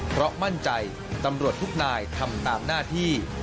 เพราะมั่นใจตำรวจทุกนายทำตามหน้าที่